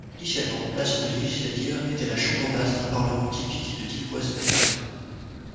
Initialement, l'Assemblée législative était la chambre basse d'un parlement typique de type Westminster.